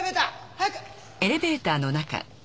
早く！